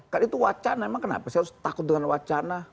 kan itu wacana emang kenapa saya harus takut dengan wacana